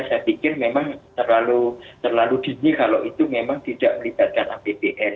saya pikir memang terlalu dini kalau itu memang tidak melibatkan apbn